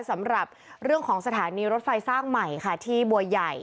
สำหรับเรื่องของสถานีรถไฟสร้างใหม่ค่ะที่บัวใหญ่